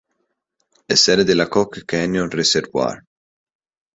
È sede della Choke Canyon Reservoir.